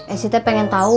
eh si teh pengen tahu